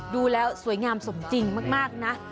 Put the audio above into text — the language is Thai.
ดูแล้วสวยงามสมจริงมากนะ